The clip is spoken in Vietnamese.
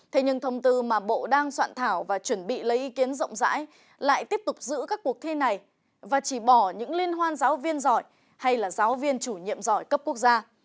thế nhưng thông tư mà bộ đang soạn thảo và chuẩn bị lấy ý kiến rộng rãi lại tiếp tục giữ các cuộc thi này và chỉ bỏ những liên hoan giáo viên giỏi hay là giáo viên chủ nhiệm giỏi cấp quốc gia